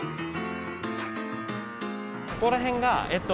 ここら辺がえっと